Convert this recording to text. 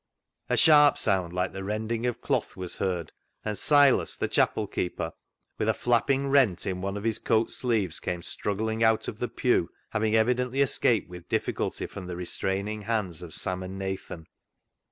A sharp sound, like the rending of cloth, was heard, and Silas, the chapel keeper, with a flapping rent in one of his coat sleeves, came struggling out of the pew, having evidently escaped with difficulty from the restraining hands of Sam and Nathan.